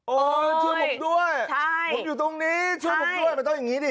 ช่วยผมด้วยผมอยู่ตรงนี้ช่วยผมด้วยมันต้องอย่างนี้ดิ